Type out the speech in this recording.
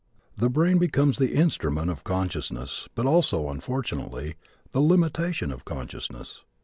The brain becomes the instrument of consciousness but also, fortunately, the limitation of consciousness.